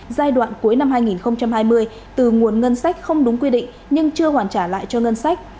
giai đoạn cuối năm hai nghìn hai mươi từ nguồn ngân sách không đúng quy định nhưng chưa hoàn trả lại cho ngân sách